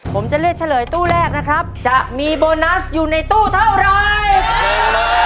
ผมจะเลือกเฉลยตู้แรกนะครับจะมีโบนัสอยู่ในตู้เท่าไร